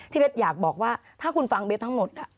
เบสอยากบอกว่าถ้าคุณฟังเบสทั้งหมด